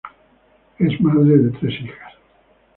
Es madre de tres hijas.